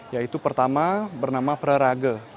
yaitu pertama bernama praraga